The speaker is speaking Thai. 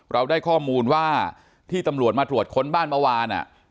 เราได้ข้อมูลว่าที่ตำรวจมาตรวจค้นบ้านเมื่อวาน